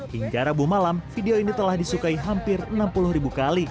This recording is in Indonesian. hingga rabu malam video ini telah disukai hampir enam puluh ribu kali